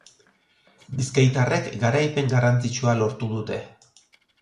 Bizkaitarrek garaipen garrantzitsua lortu dute.